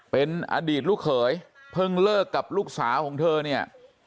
เป็นอดีตลูกเขยเพิ่งเลิกกับลูกสาวของเธอเนี่ย